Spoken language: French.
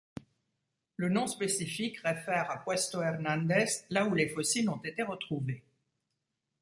Le nom spécifique réfère à Puesto Hernández, là où les fossiles ont été retrouvés.